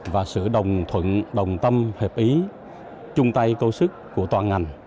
và sự đồng thuận đồng tâm hợp ý chung tay cầu sức của toàn ngành